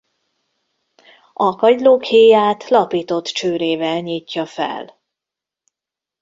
A kagylók héját lapított csőrével nyitja fel.